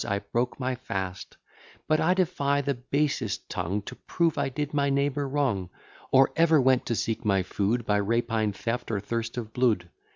I broke my fast: But I defy the basest tongue To prove I did my neighbour wrong; Or ever went to seek my food, By rapine, theft, or thirst of blood.